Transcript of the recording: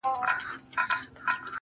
• ځوان د پوره سلو سلگيو څه راوروسته.